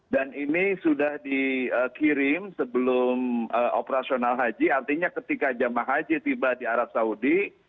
dan ini sudah dikirim sebelum operasional haji artinya ketika jamaah haji tiba di arab saudi